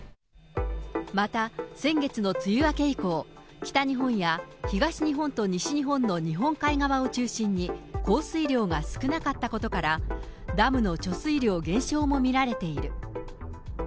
また先月の梅雨明け以降、北日本や東日本と西日本の日本海側を中心に、降水量が少なかったことから、ダムの貯水量減少も見られている。